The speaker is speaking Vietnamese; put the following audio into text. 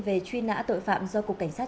về truy nã tội phạm do cục cảnh sát